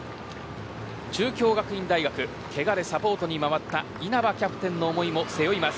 中京学院大学けがでサポートに回った稲葉キャプテンの思いも背負います。